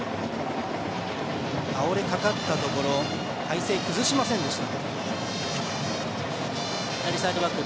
倒れかかったところ体勢を崩しませんでした。